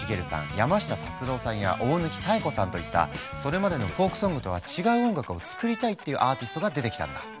山下達郎さんや大貫妙子さんといったそれまでのフォークソングとは違う音楽を作りたいっていうアーティストが出てきたんだ。